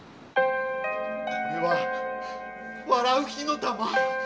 これは笑う火の玉？